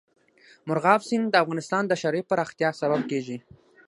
مورغاب سیند د افغانستان د ښاري پراختیا سبب کېږي.